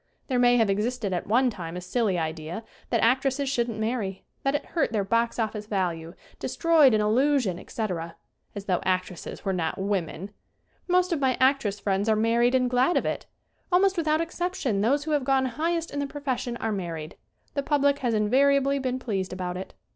There may have existed at one time a silly idea that actresses shouldn't marry; that it hurt their box office value, destroyed an illu sion, etc. As though actresses were not women ! Most of my actress friends are mar ried and glad of it. Almost without exception those who have gone highest in the profession are married. The public has invariably been pleased about it.